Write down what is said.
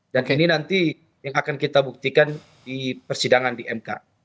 dan ini nanti yang akan kita buktikan di persidangan di mk